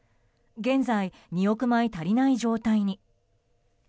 現在、２億枚足りない状態に。